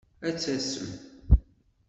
Ad tasem.